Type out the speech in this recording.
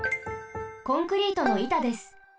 コンクリートのいたです。